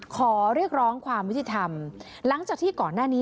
ขอเรียกร้องความยุติธรรมหลังจากที่ก่อนหน้านี้